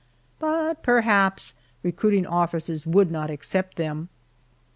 But perhaps recruiting officers would not accept them.